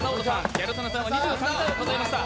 ギャル曽根さんは２３回を数えました。